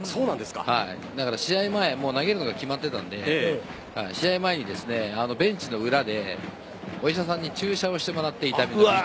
だから試合前投げるのが決まっていたので試合前にベンチの裏でお医者さんに注射をしてもらって痛み止めの。